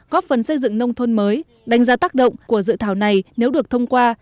góp phần xây dựng nông thôn mới đánh giá tác động của dự thảo này nếu được thông qua